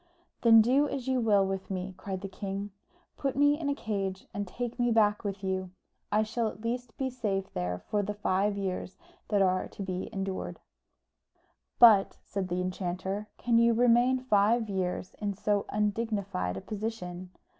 "Then do as you will with me!" cried the king. "Put me into a cage and take me back with you. I shall at least be safe there for the five years that are to be endured." "But," said the enchanter, "can you remain five years in so undignified a position?